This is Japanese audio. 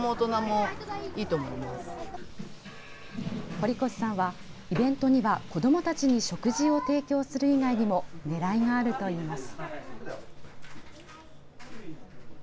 堀越さんは、イベントには子どもたちに食事を提供する以外にも狙いがあるといいます。